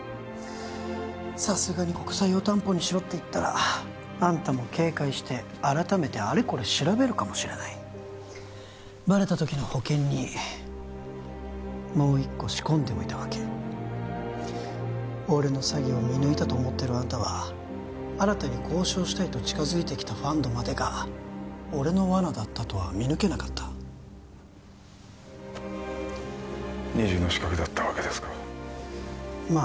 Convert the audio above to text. さすがに国債を担保にしろって言ったらあんたも警戒して改めてあれこれ調べるかもしれないバレた時の保険にもう一個仕込んでおいたわけ俺の詐欺を見抜いたと思ってるあんたは新たに交渉したいと近づいてきたファンドまでが俺のワナだったとは見抜けなかった二重の仕掛けだったわけですかまあ